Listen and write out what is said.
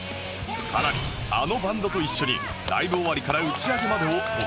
さらにあのバンドと一緒にライブ終わりから打ち上げまでを特別セットで体験